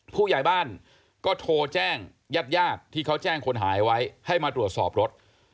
ผู้ใหญ่บ้านก็โทรแจ้งญาติญาติที่เขาแจ้งคนหายไว้ให้มาตรวจสอบรถ